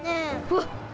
わっ！